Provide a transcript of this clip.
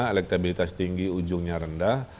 elektabilitas tinggi ujungnya rendah